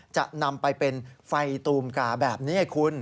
จะนำไปเป็นไฟตูมกาแบบนี้ให้คุณ